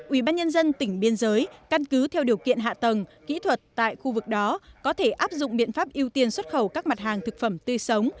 ủy ban nhân dân tỉnh biên giới căn cứ theo điều kiện hạ tầng kỹ thuật tại khu vực đó có thể áp dụng biện pháp ưu tiên xuất khẩu các mặt hàng thực phẩm tươi sống